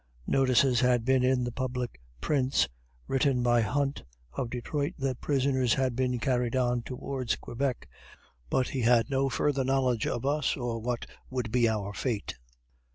Notices had been in the public prints, written by Hunt, of Detroit, that prisoners had been carried on towards Quebec but he had no further knowledge of us, or what would be our fate.